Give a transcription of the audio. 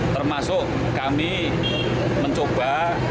termasuk kami mencoba